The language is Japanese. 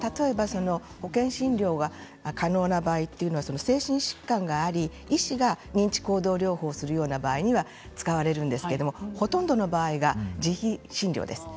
保険診療が可能な場合は精神疾患があって医師が認知行動療法をする場合は使われるんですけれどほとんどの場合は自費診療です。